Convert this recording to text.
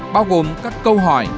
bao gồm các câu hỏi